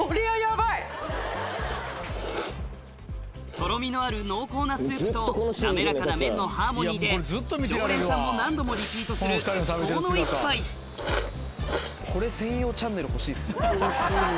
とろみのある濃厚なスープと滑らかな麺のハーモニーで常連さんも何度もリピートするこれ専用チャンネル欲しいっすね。